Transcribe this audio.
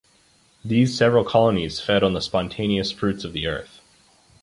These several colonies fed on the spontaneous fruits of the earth.